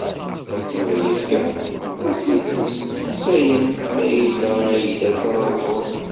Tura akka, aṭas i yettmesteqsayen ma yella Ai-Da d tanaẓurt.